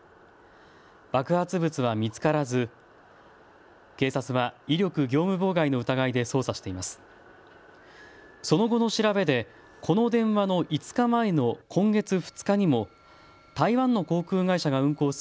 爆発物は見つからず警察は威力業務妨害の疑いで捜査しています。